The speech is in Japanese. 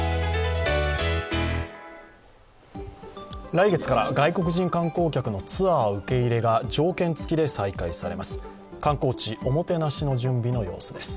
来月から外国人観光客の受け入れが条件つきで再開されます。